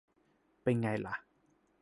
เป็นไงล่ะ